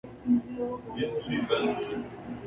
El hocico es rosáceo.